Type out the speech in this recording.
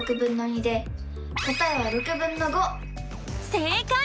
せいかい！